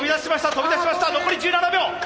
飛び出しました残り１７秒！